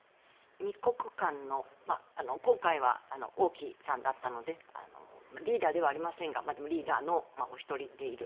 ２国間の今回は王毅さんだったのでリーダーではありませんがでもリーダーのお一人でいる。